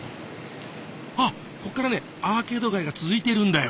あっこっからねアーケード街が続いてるんだよ。